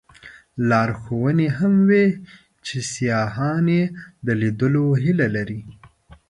لارښوونې هم وې چې سیاحان یې د لیدلو هیله لري.